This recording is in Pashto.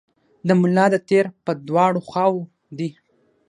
د ملا د تیر په دواړو خواوو دي.